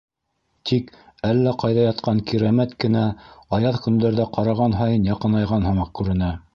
Тик әллә ҡайҙа ятҡан Кирәмәт кенә аяҙ көндәрҙә ҡараған һайын яҡынайған һымаҡ күренә.